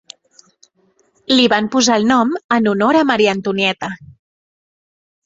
Li van posar el nom en honor a Maria Antonieta.